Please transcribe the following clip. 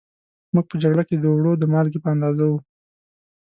موږ په جگړه کې د اوړو د مالگې په اندازه وو